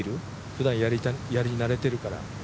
ふだんやり慣れてるから。